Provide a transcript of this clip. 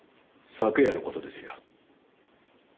昨夜の事ですよ。